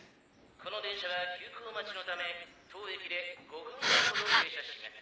この電車は急行待ちのため当駅で５分間ほど停車します。